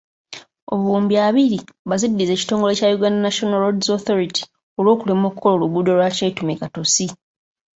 Obuwumbi abiri baziddize ekitongole kya Uganda National Roads Authority, olw'okulemwa okukola oluguudo lwa Kyetume–Katosi.